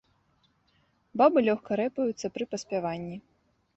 Бабы лёгка рэпаюцца пры паспяванні.